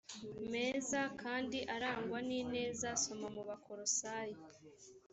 meza kandi arangwa n ineza soma mu bakolosayi